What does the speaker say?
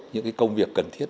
những cái công việc cần thiết